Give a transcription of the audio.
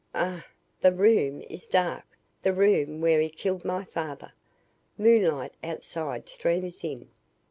"Ugh! The room is dark, the room where he killed my father. Moonlight outside streams in.